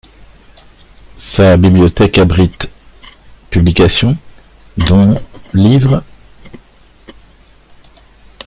Sa bibliothèque abrite publications, dont livres.